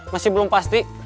masih belum pasti